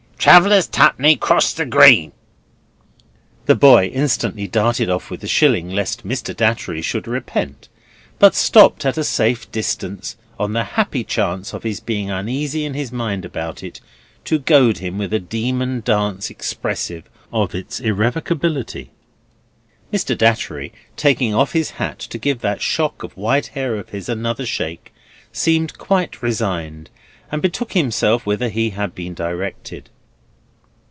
Travellers' Twopenny, 'cross the green." The boy instantly darted off with the shilling, lest Mr. Datchery should repent, but stopped at a safe distance, on the happy chance of his being uneasy in his mind about it, to goad him with a demon dance expressive of its irrevocability. Mr. Datchery, taking off his hat to give that shock of white hair of his another shake, seemed quite resigned, and betook himself whither he had been directed.